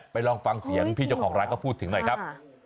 ลองฟังเสียงพี่เจ้าของร้านเขาพูดถึงหน่อยครับ